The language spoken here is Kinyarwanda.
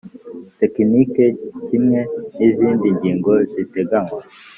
Tekiniki kimwe n izindi ngingo ziteganywa